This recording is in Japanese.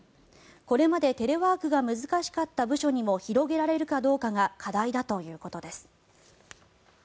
これまでテレワークが難しかった部署にも広げられるかどうかが課題だということです。